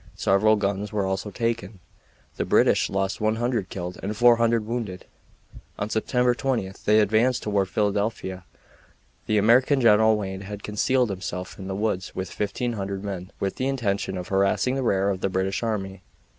Several guns were also taken. The British lost 100 killed and 400 wounded. On September 20 they advanced toward Philadelphia. The American General Wayne had concealed himself in the woods with 1500 men, with the intention of harassing the rear of the British army.